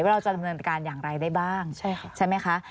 ว่าเราจะทำการอย่างไรได้บ้างใช่ไหมคะ